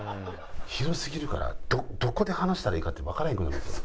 広すぎるからどこで話したらええかってわからへんくなるんですよ。